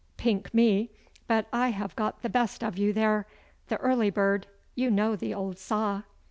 Pink me, but I have got the best of you there! The early bird you know the old saw!